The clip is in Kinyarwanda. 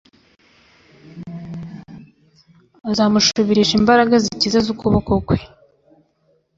azamushubirisha imbaraga zikiza z'ukuboko kwe